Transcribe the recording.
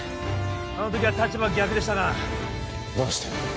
あの時は立場が逆でしたがどうして？